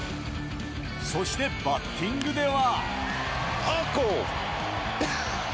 そしてバッティングでは。